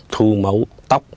thu mẫu tóc